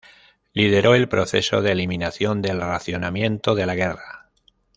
Lideró el proceso de eliminación del racionamiento de la guerra.